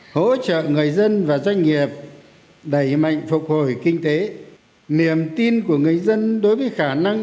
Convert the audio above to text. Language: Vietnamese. hỗ trợ người dân và doanh nghiệp đẩy mạnh phục hồi kinh tế niềm tin của người dân đối với khả năng